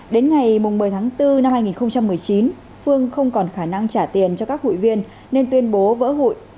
đến ngày một mươi tháng bốn năm hai nghìn một mươi chín phương không còn khả năng trả tiền cho các hụi viên nên tuyên bố vỡ hụi